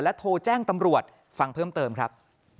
โทรแจ้งตำรวจฟังเพิ่มเติมครับ